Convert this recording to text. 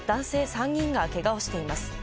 ３人がけがをしています。